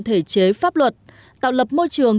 thể chế pháp luật tạo lập môi trường